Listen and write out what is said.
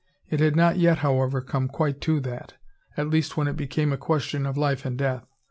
It had not yet, however, quite come to that, at least when it became a question of life and death.